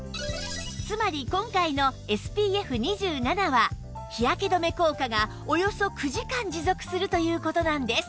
つまり今回の ＳＰＦ２７ は日焼け止め効果がおよそ９時間持続するという事なんです